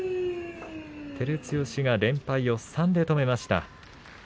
照強が連敗を３で止めました。